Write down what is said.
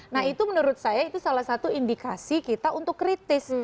nah itu menurut saya itu salah satu indikasi kita untuk kritis